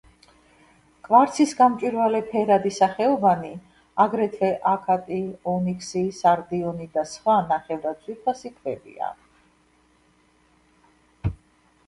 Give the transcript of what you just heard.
კვარცის გამჭვირვალე ფერადი სახეობანი, აგრეთვე აქატი, ონიქსი, სარდიონი და სხვა ნახევრადძვირფასი ქვებია.